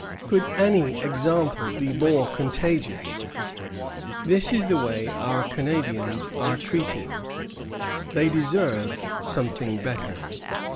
Could any example be more contagious? This is the way our Canadians are treated. They deserve something better."